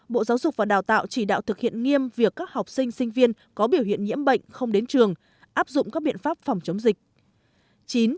bộ giáo dục và đào tạo chỉ đạo thực hiện nghiêm việc các học sinh sinh viên có biểu hiện nhiễm bệnh không đến trường áp dụng các biện pháp phòng chống dịch